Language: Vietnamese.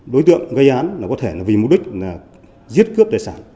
đối tượng gây án có thể vì mục đích giết cướp tài sản